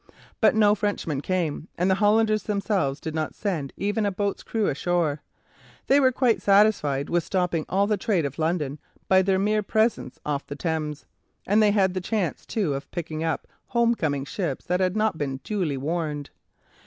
But no Frenchmen came, and the Hollanders themselves did not send even a boat's crew ashore. They were quite satisfied with stopping all the trade of London by their mere presence off the Thames, and they had the chance too of picking up homecoming ships that had not been duly warned.